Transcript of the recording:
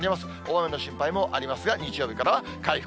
雨の心配もありますが、日曜日からは回復。